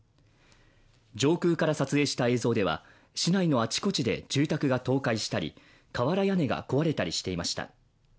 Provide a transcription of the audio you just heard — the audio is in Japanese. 上空から撮影した映像では市内のあちこちで住宅が倒壊したり瓦屋根が壊れたりしていました。